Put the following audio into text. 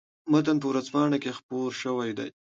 متن په ورځپاڼه کې خپور شوی دی.